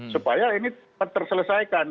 supaya ini terselesaikan